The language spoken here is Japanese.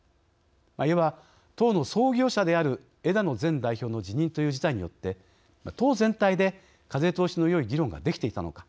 いわば、党の創業者である枝野前代表の辞任という事態によって党全体で風通しのよい議論ができていたのか。